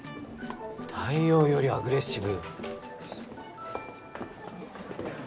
太陽よりアグレッシブ。